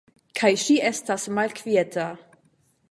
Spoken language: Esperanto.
Kaj ŝi estas malkvieta.